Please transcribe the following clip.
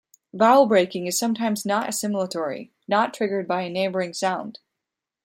Vowel breaking is sometimes not assimilatory, not triggered by a neighboring sound.